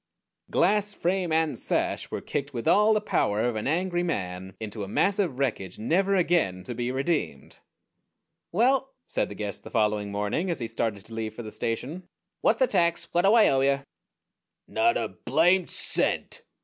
Glass, frame, and sash were kicked with all the power of an angry man into a mass of wreckage never again to be redeemed. "Well," said the guest the following morning, as he started to leave for the station, "what's the tax? What do I owe you?" "_Not a blamed cent!